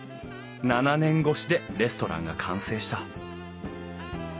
７年越しでレストランが完成した。